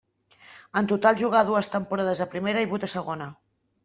En total jugà dues temporades a primera i vuit a segona.